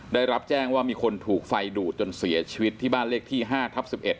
ได้รับแจ้งว่ามีคนถูกไฟดูดจนเสียชีวิตที่บ้านเลขที่๕ทับ๑๑